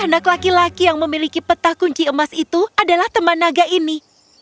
anak laki laki yang memiliki peta kunci emas itu adalah teman naga ini